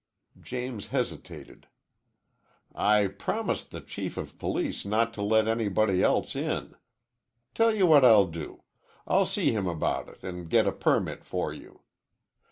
James hesitated. "I promised the Chief of Police not to let anybody else in. Tell you what I'll do. I'll see him about it and get a permit for you.